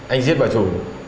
anh giết bà chủ